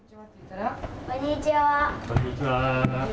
こんにちは。